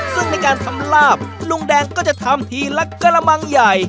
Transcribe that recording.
ซึ่งในการทำลาบลุงแดงก็จะทำทีละกระมังใหญ่